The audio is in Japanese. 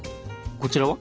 こちらは？